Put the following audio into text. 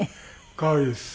可愛いです。